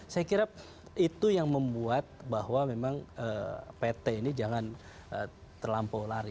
saya kira itu yang membuat bahwa memang pt ini jangan terlampau lari